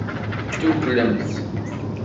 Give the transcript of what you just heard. Dduklemt.